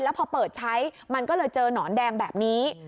แล้วพอเปิดใช้มันก็เลยเจอหนอนแดงแบบนี้